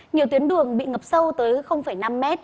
nhiều tuyến đường bị ngập sâu tới năm m